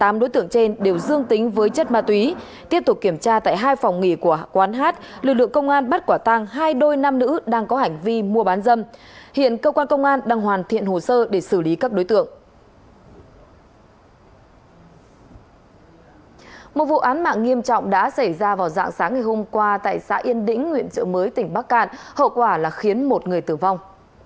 một vụ án mạng nghiêm trọng đã xảy ra vào dạng sáng ngày hôm qua tại xã yên đĩnh nguyện trợ mới tỉnh bắc cạn hậu quả là khiến một người tử vong